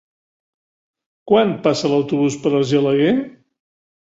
Quan passa l'autobús per Argelaguer?